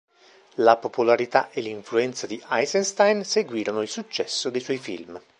La popolarità e l'influenza di Ejzenštejn seguirono il successo dei suoi film.